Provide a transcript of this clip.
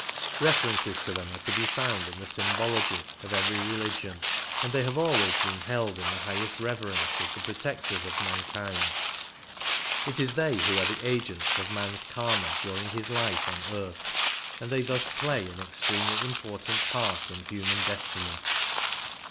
References to them are to be found in the sym bology of every religion, and they have always been held in the highest reverence as the protectors of mankind. It is they who are the agents of man's Karma during his life on earth, and tiiey thus play an extremely important part in human destiny.